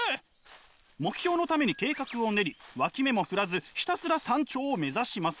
目標のために計画を練り脇目も振らずひたすら山頂を目指します。